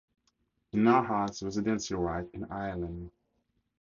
He now has residency rights in Ireland.